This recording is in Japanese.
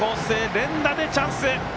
連打でチャンス！